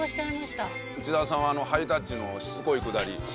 内田さんはハイタッチのしつこいくだり。